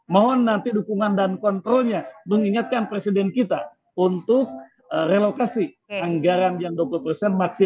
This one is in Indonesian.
mohon nanti dukungan dan kontrolnya mengingatkan presiden kita untuk relokasi anggaran yang dua puluh persen